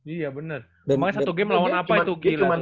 iya bener emangnya satu game lawan apa itu